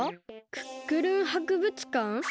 「クックルン博物館」？